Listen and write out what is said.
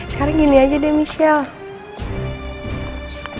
sekarang gini aja deh michelle